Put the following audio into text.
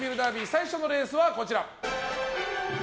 最初のレースはこちら。